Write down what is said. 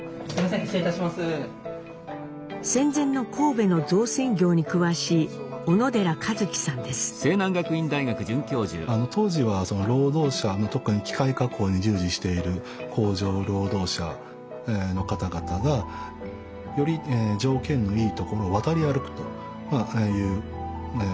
戦前の神戸の造船業に詳しい当時はその労働者特に機械加工に従事している工場労働者の方々がより条件のいいところを渡り歩くということがございまして。